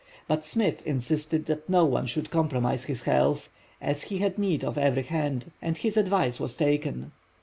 But Smith insisted that no one should compromise his health, as he had need of every hand; and his advice was taken.